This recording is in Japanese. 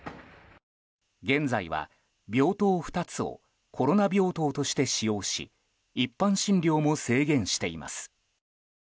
現在は病棟２つをコロナ病床として使用し一般診療も制限しています。